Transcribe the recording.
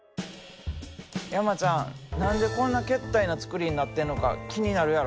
山ちゃん何でこんなけったいな造りになってんのか気になるやろ？